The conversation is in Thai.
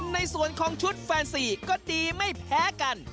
ในส่วนของชุดแฟนซีก็ดีไม่แพ้กัน